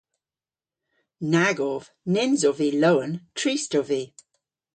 Nag ov. Nyns ov vy lowen, trist ov vy.